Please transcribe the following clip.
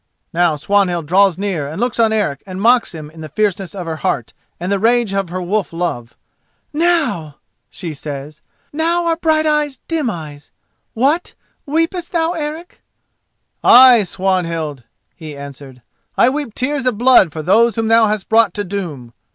Now Swanhild draws near and looks on Eric and mocks him in the fierceness of her heart and the rage of her wolf love. "Now," she says, "now are Brighteyes dim eyes! What! weepest thou, Eric?" "Ay, Swanhild," he answered, "I weep tears of blood for those whom thou hast brought to doom."